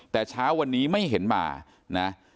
แต่เช้าวันนี้ไม่เห็นมานะ